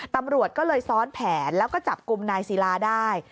ตำรวจก็เลยซ้อนแผนแล้วก็จับกลุ่มนายศิลาได้